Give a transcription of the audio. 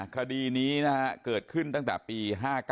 คดีนี้เกิดขึ้นตั้งแต่ปี๕๙